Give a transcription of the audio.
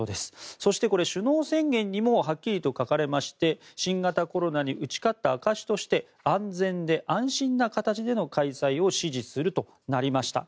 そしてこれ、首脳宣言にもはっきりと書かれまして新型コロナに打ち勝った証しとして安全で安心な形での開催を支持するとなりました。